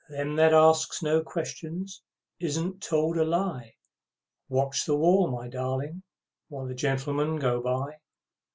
Them that ask no questions isn't told a lie. Watch the wall, my darling, while the Gentlemen go by!